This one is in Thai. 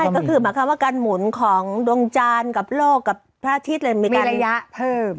ก็คือหมายความว่าการหมุนของดวงจานกับโลกกับพระอาทิตย์เลยมีการระยะเพิ่ม